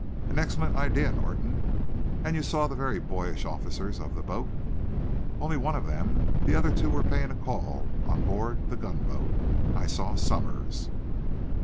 "An excellent idea, Norton. And you saw the very boyish officers of the boat?" "Only one of them. The other two were paying a call on board the gunboat. I saw Somers."